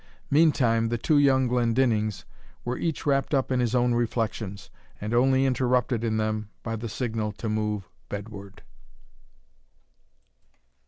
Meantime the two young Glendinnings were each wrapped up in his own reflections, and only interrupted in them by the signal to move bedward.